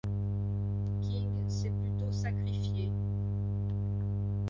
King s’est plutôt sacrifié.